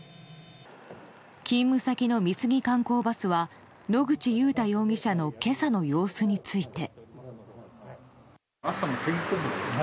勤務先の美杉観光バスは野口祐太容疑者の今朝の様子について。